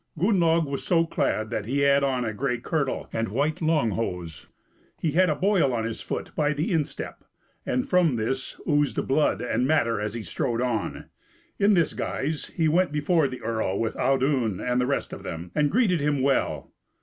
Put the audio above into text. Gunnlaug was so clad that he had on a grey kirtle and white long hose; he had a boil on his foot by the instep, and from this oozed blood and matter as he strode on. In this guise he went before the earl with Audun and the rest of them, and greeted him well.